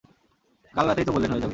কাল রাতেই তো বললেন হয়ে যাবে।